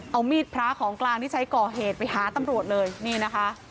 เอามีดพระของกลางที่ใช้ก่อเหตุไปหาตำรวจเลยนี่นะคะ